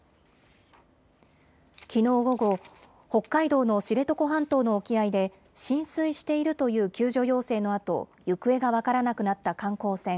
きのう午後、北海道の知床半島の沖合で浸水しているという救助要請のあと行方が分からなくなった観光船